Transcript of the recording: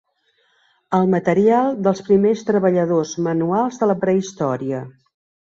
El material dels primers treballadors manuals de la prehistòria.